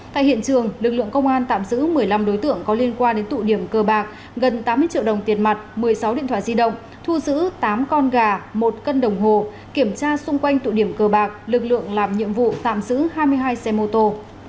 tại hiện trường lực lượng công an tạm giữ một mươi năm đối tượng có liên quan đến tụ điểm cờ bạc gần tám mươi triệu đồng tiền mặt một mươi sáu điện thoại di động thu giữ tám con gà một cân đồng hồ kiểm tra xung quanh tụ điểm cờ bạc lực lượng làm nhiệm vụ tạm giữ hai mươi hai xe mô tô